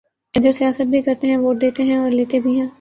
ا دھر سیاست بھی کرتے ہیں ووٹ دیتے ہیں اور لیتے بھی ہیں